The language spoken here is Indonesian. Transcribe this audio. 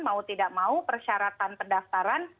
mau tidak mau persyaratan pendaftaran